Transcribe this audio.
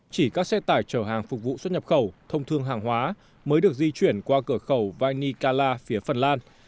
chỉ các xe tải chở hàng phục vụ xuất nhập khẩu thông thương hàng hóa mới được di chuyển qua cửa khẩu vanicala phía phần lan